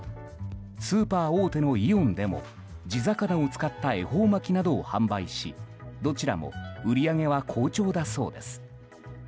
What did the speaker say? スーパー大手のイオンでも地魚を使った恵方巻きなどを販売しどちらも売り上げは好調だそうです。